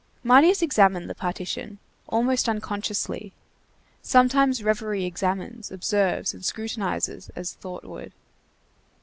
Marius examined the partition, almost unconsciously; sometimes reverie examines, observes, and scrutinizes as thought would.